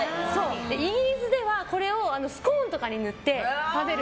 イギリスでは、これをスコーンとかに塗って食べる。